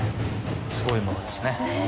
すごいものですね。